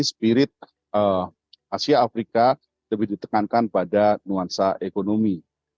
spirit asia afrika lebih ditekankan pada nuansa ekonomi